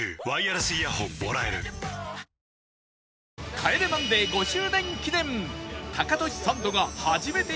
『帰れマンデー』５周年記念